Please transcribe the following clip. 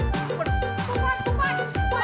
tambah lagi kak sambal sambal